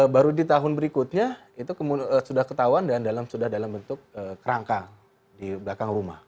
baru di tahun berikutnya itu sudah ketahuan dan sudah dalam bentuk kerangka di belakang rumah